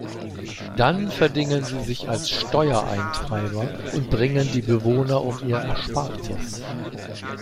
Dann verdingen sie sich als Steuereintreiber und bringen die Bewohner um ihr Erspartes.